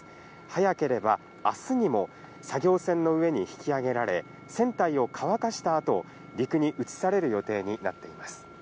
早ければあすにも作業船の上に引き揚げられ、船体を乾かしたあと、陸に移される予定になっています。